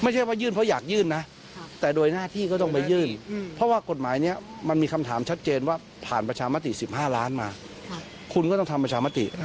ด้วยอันรุาคก็เพื่อให้ไขกรายของสมมุติ